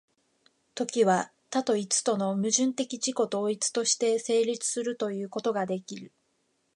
時は多と一との矛盾的自己同一として成立するということができる。